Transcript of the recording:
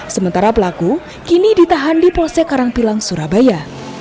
sementara pelaku kini ditahan di polsek karangpilang surabaya